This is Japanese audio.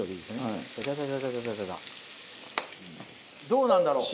どうなんだろう？